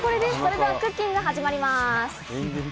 ではクッキングが始まります。